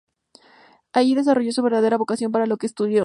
Ahí desarrolló su verdadera vocación, para lo que estudió.